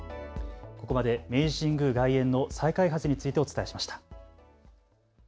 ここまで明治神宮外苑の再開発についてお伝えしました。